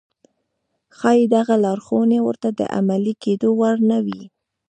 ښايي دغه لارښوونې ورته د عملي کېدو وړ نه وي.